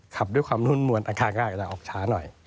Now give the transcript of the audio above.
ขับด้วยความรุ่นมวลอาคารก็อาจจะออกช้าหน่อย